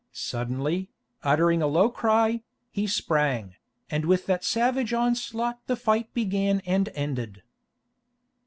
Suddenly, uttering a low cry, he sprang, and with that savage onslaught the fight began and ended.